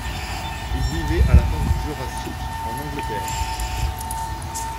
Il vivait à la fin du Jurassique en Angleterre.